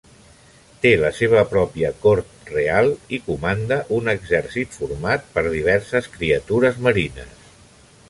Té la seva pròpia cort real i comanda un exèrcit format per diverses criatures marines.